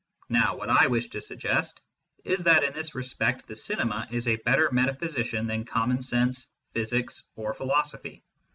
Now what I wish to suggest is that in this respect the cinema is a better metaphysician than common sense, physics, or philosophy.